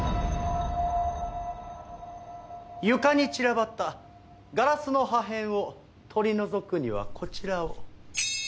床に散らばったガラスの破片を取り除くにはこちらを。